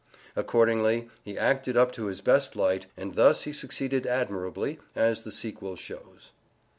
Accordingly, he acted up to his best light, and thus he succeeded admirably, as the sequel shows.